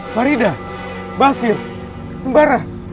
faridah basir sembarang